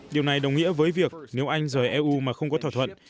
điều này đồng nghĩa với việc nếu anh rời eu mà không có thỏa thuận